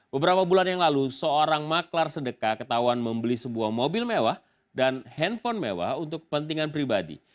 beberapa bulan yang lalu seorang maklar sedekah ketahuan membeli sebuah mobil mewah dan handphone mewah untuk kepentingan pribadi